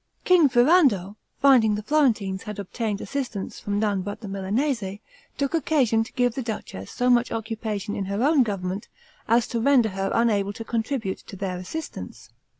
King Ferrando, finding the Florentines had obtained assistance from none but the Milanese, took occasion to give the duchess so much occupation in her own government, as to render her unable to contribute to their assistance.